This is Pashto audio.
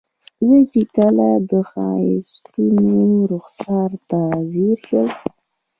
زه چې کله د ښایستونو رخسار ته ځیر شم.